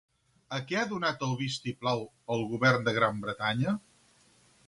A què ha donat el vistiplau, el govern de Gran Bretanya?